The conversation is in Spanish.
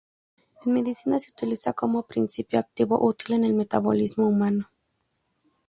En Medicina se utiliza como principio activo útil en el metabolismo humano.